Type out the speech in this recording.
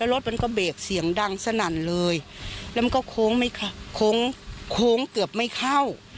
รถมันก็เบรกเสียงดังสนั่นเลยแล้วมันก็โค้งโค้งเกือบไม่เข้า